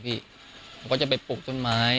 เพราะบ่อยจะไปปลุกต้นไม้